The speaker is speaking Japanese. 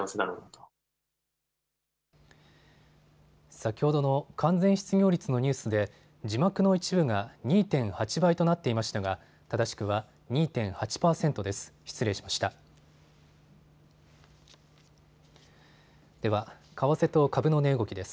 先ほどの完全失業率のニュースで字幕の一部が２．８倍となっていましたが正しくは２．８％です。